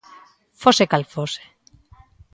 Fose cal fose.